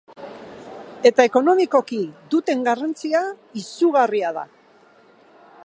Eta ekonomikoki duten garrantzia izugarria da.